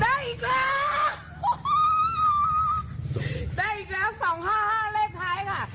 ได้อีกแล้วได้อีกแล้วสองห้าห้าเลขท้ายค่ะ